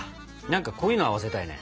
何かこういうのを合わせたいね。